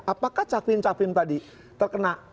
apakah capim capim tadi terkena